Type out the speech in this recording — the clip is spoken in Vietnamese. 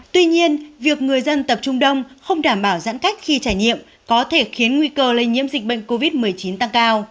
tuy nhiên việc người dân tập trung đông không đảm bảo giãn cách khi trải nghiệm có thể khiến nguy cơ lây nhiễm dịch bệnh covid một mươi chín tăng cao